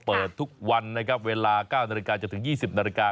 เปิดทุกวันนะครับเวลา๙นาฬิกาจนถึง๒๐นาฬิกา